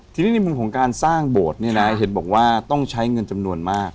ทีนี้ในมุมของการสร้างโบสถ์เนี่ยนะเห็นบอกว่าต้องใช้เงินจำนวนมาก